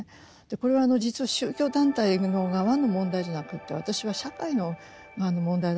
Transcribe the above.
これは実は宗教団体の側の問題じゃなくて私は社会の側の問題だと思ってるんです。